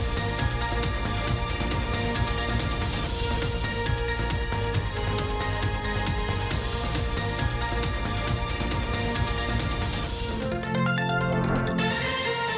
โปรดติดตามตอนต่อไป